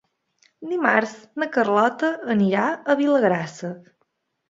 Dimarts na Carlota anirà a Vilagrassa.